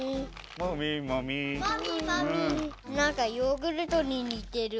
なんかヨーグルトににてる。